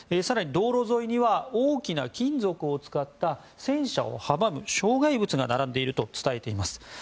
更に道路沿いには大きな金属を使った戦車を阻む障害物が並んでいると伝えています。